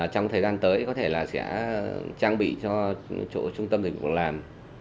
trong thời gian tới có thể là sẽ trang bị cho chỗ trung tâm dịch vụ việc làm